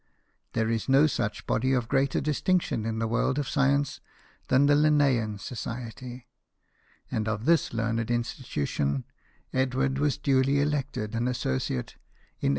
There is no such body of greater distinction in the world of science than the Linnean Society ; and of this learned institution Edward was duly elected an associate in 1866.